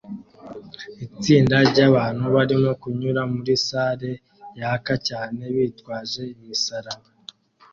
Itsinda ryabantu barimo kunyura muri salle yaka cyane bitwaje imisaraba